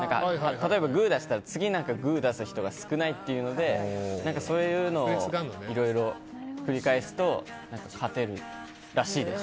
グー出したら次グー出す人が少ないというのでそういうのをいろいろ繰り返すと勝てるらしいです。